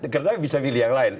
karena bisa pilih yang lain